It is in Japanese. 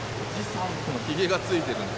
ひげがついてるので。